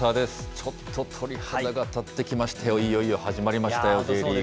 ちょっと鳥肌が立ってきましたよ、いよいよ始まりましたよ、Ｊリーグ。